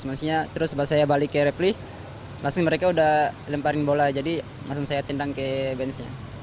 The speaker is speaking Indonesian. maksudnya terus pas saya balik ke repli langsung mereka udah lemparin bola jadi langsung saya tendang ke bench nya